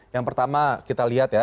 yang pertama kita lihat ya